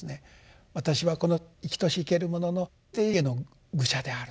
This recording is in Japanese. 私はこの生きとし生けるものの底下の愚者であると。